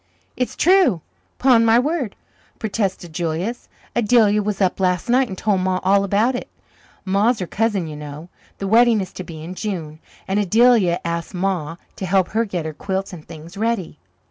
"It's true, 'pon my word," protested Julius. "Adelia was up last night and told Ma all about it. Ma's her cousin, you know. The wedding is to be in June, and Adelia asked Ma to help her get her quilts and things ready."